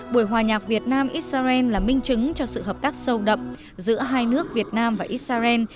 buổi hòa nhạc việt nam israel là minh chứng cho sự hợp tác sâu đậm giữa hai nước việt nam và israel